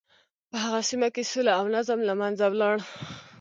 په هغه سیمه کې سوله او نظم له منځه ولاړ.